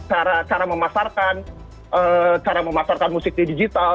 cara cara memasarkan cara memasarkan musik di digital